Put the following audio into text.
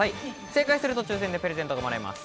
正解すると抽選でプレゼントがもらえます。